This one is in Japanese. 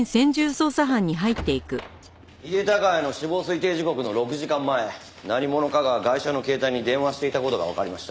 井手孝也の死亡推定時刻の６時間前何者かがガイシャの携帯に電話していた事がわかりました。